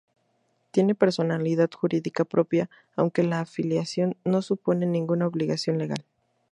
Tiene personalidad jurídica propia, aunque la afiliación no supone ninguna obligación legal.